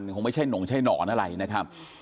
คงไม่ใช่หนงใช้หนอนอะไรนะครับ